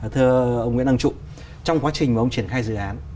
thưa ông nguyễn đăng trụ trong quá trình mà ông triển khai dự án